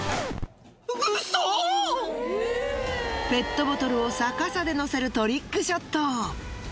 ペットボトルを逆さで乗せるトリックショット。